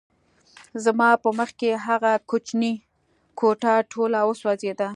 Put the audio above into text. زما په مخکې هغه کوچنۍ کوټه ټوله وسوځېده